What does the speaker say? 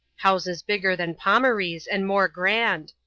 Houses bigger than Fomaree's^ and more grand.